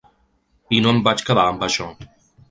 I no em vaig quedar amb això.